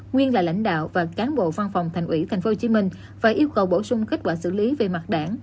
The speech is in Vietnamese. nguyên là lãnh đạo và cán bộ văn phòng thành ủy tp hcm và yêu cầu bổ sung kết quả xử lý về mặt đảng